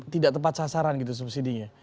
tidak tepat sasaran gitu subsidi nya